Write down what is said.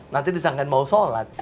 nanti disangkaian mau sholat